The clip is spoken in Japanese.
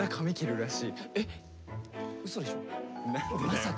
まさか！